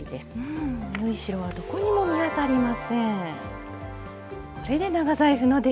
縫い代はどこにも見当たりません。